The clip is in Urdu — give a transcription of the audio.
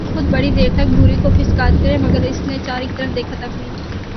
وہ خود بڑی دیر تک بھوری کو پچکارتے رہے، مگر اس نے چارے کی طرف دیکھا تک نہیں۔